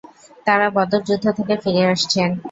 তারা বদর যুদ্ধ থেকে ফিরে আসছেন।